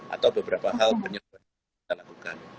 atau beberapa hal penyelenggaraan kita lakukan